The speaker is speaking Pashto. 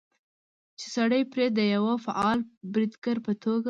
چې سړى پرې د يوه فعال بريدګر په توګه